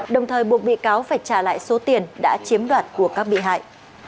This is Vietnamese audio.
đồng thời buộc bị cáo phải trả lại số tiền đã chiếm đoạt của các bị hại